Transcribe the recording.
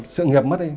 sự nghiệp mất đi